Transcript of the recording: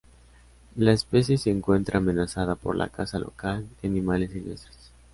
La especie se encuentra amenazada por la caza local de animales silvestres.